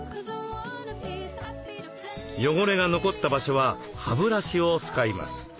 汚れが残った場所は歯ブラシを使います。